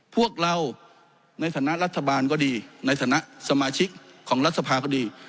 พวกเราในฐานะรัฐบาลก็ดีในฐานะสมาชิกของรัฐสภาก็ดี